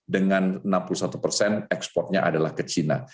dengan enam puluh satu persen ekspornya adalah ke china